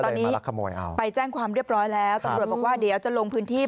ตอนนี้ไปแจ้งความเรียบร้อยแล้วตำรวจบอกว่าเดี๋ยวจะลงพื้นที่